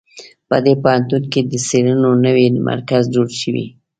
په دې پوهنتون کې د څېړنو نوی مرکز جوړ شوی